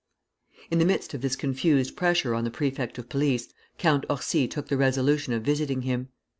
In the midst of this confused pressure on the prefect of police, Count Orsi took the resolution of visiting him.